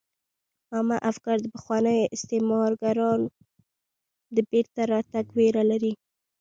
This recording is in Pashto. عامه افکار د پخوانیو استعمارګرو د بیرته راتګ ویره لري